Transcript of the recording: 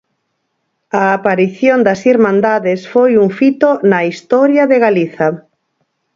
A aparición das irmandades foi un fito na historia de Galiza.